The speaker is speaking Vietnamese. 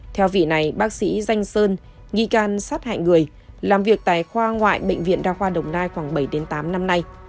theo vị này bác sĩ danh sơn nghi can sát hại người làm việc tại khoa ngoại bệnh viện đa khoa đồng nai khoảng bảy tám năm nay